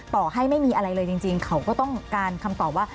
ต่อให้ไม่มีอะไรเลยจริงเขาก็ต้องการคำตอบว่า